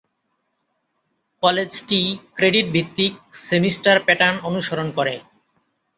কলেজটি ক্রেডিট-ভিত্তিক, semester pattern অনুসরণ করে।